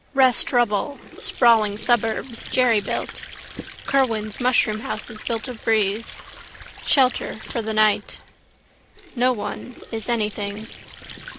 Rest rubble, sprawling suburbs, jerrybuilt. Kerwan's mushroom houses built of breeze. Shelter, for the night. No one is anything.